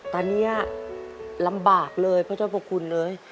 ตอนนี้ลำบากเลยพระเจ้าพระคุณเอ๋ย